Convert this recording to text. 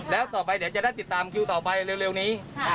แล้วต่อไปเดี๋ยวจะได้ติดตามคิวต่อไปเร็วนี้